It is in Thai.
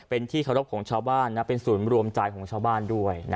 เป็นที่เคารพของชาวบ้านเป็นศูนย์รวมใจของชาวบ้านด้วย